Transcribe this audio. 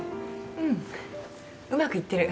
うんうまくいってる。